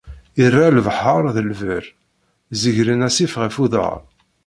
Irra lebḥer d lberr, zegren asif ɣef uḍar.